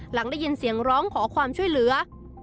หลังได้ยินเสียงร้องขอความช่วยเหลือ